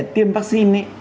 tiêm vaccine ý